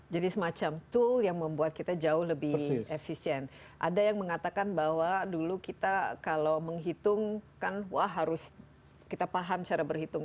jadi semacam tool yang membuat kita jauh lebih efisien ada yang mengatakan bahwa dulu kita kalau menghitung kan wah harus kita paham cara berhitung